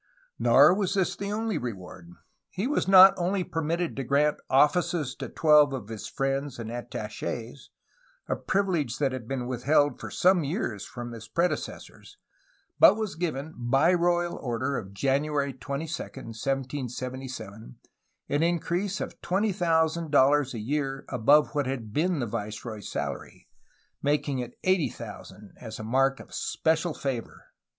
Nor was this the only reward. He was not only permitted to grant offices to twelve of his friends and attaches, a privilege that had been withheld for some years from his predecessors, but was given by royal order of January 22, 1777, an increase of $20,000 a year above what had been the viceroy's salary, making it $80,000, as a mark of special favor."